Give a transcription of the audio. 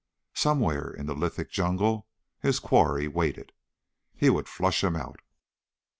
Somewhere in the lithic jungle his quarry waited. He would flush him out.